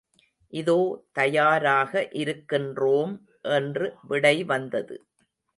இதோ தயாராக இருக்கின்றோம் என்று விடை வந்தது.